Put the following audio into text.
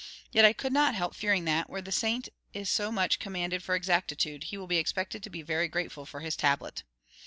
Yet I could not help fearing that, where the Saint is so much commanded for exactitude, he will be expected to be very grateful for his tablet.